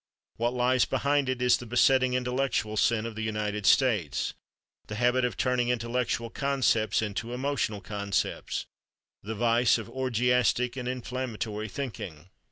What lies behind it is the besetting intellectual sin of the United States—the habit of turning intellectual concepts into emotional concepts, the vice of orgiastic and inflammatory thinking.